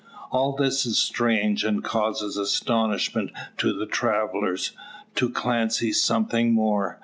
All this is strange, and causes astonishment to the travellers to Clancy something more.